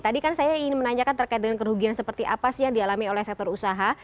tadi kan saya ingin menanyakan terkait dengan kerugian seperti apa sih yang dialami oleh sektor usaha